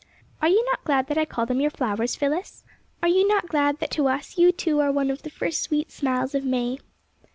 " Are you not glad that I call them your flowers, Phyllis'? Are you not glad that to us, you, too, are one of ' the first sweet smiles of May?